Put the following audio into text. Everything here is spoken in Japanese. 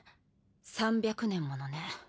３００年ものね。